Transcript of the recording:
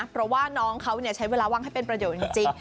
เพราะว่าน้องเขาใช้เวลาว่างให้เป็นประโยชน์จริง